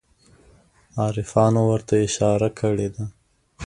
عارفانو ورته اشاره کړې ده.